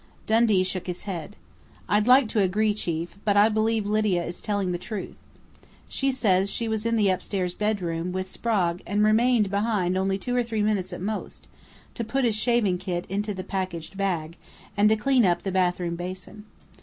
Dundee shook his head. "I'd like to agree, chief, but I believe Lydia is telling the truth. She says she was in the upstairs bedroom with Sprague and remained behind only two or three minutes at most, to put his shaving kit into the packed bag, and to clean up the bathroom basin.